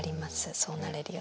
そうなれるように。